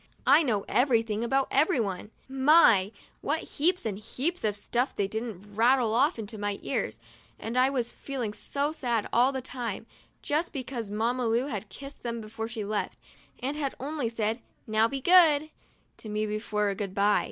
I know everything about everyone now. My ! what heaps and heaps of stuff didn't they rattle off into my ears, and I was feeling so sad all the time, just because Mamma Lu had kissed them before she left, and had only said, 'Now be good," to me for a good by.